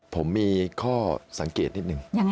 ผมมีข้อสังเกตนิดนึง